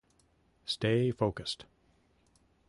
Stay focused.